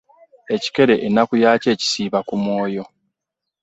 Ekikere ennaku yakyo kigisiba ku mwoyo .